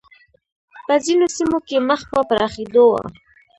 په ځینو سیمو کې مخ په پراخېدو و